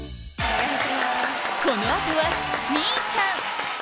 この後はみーちゃん！